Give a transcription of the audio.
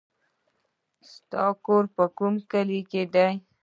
ستا کور کوم کلي کې دی